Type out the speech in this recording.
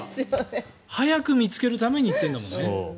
早く見つけるために行っているんだもんね。